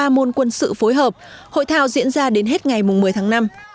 ba môn quân sự phối hợp hội thao diễn ra đến hết ngày một mươi tháng năm